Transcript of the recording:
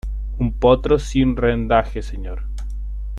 un potro sin rendaje, señor.